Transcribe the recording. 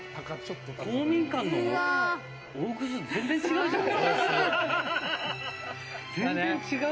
公民館の大楠、全然違うじゃん。